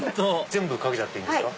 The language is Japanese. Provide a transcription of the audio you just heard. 全部かけちゃっていいんですか？